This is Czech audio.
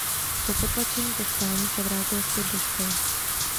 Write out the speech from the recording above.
Po potlačení povstání se vrátil zpět do školy.